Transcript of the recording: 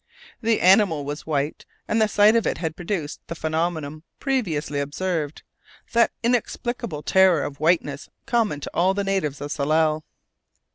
The animal was white, and the sight of it had produced the phenomenon previously observed, that inexplicable terror of whiteness common to all the natives of Tsalal.